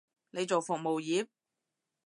你做服務業？